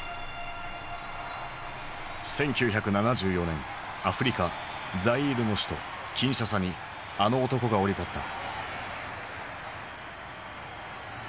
１９７４年アフリカザイールの首都キンシャサにあの男が降り立った。